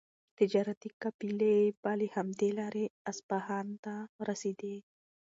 تجارتي قافلې به له همدې لارې اصفهان ته رسېدې.